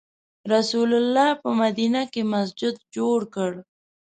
رسول الله په مدینه کې مسجد جوړ کړ.